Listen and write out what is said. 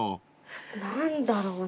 何だろうな。